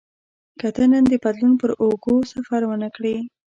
که ته نن د بدلون پر اوږو سفر ونه کړې.